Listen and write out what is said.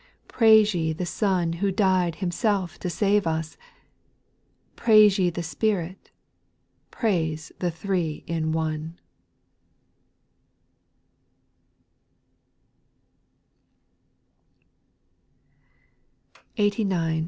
119 Praise ye the Son who died Himself to save US I Praise ye the Spirit I Praise the Three in Onel 89.